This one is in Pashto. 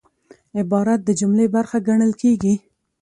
عبارت د جملې برخه ګڼل کېږي.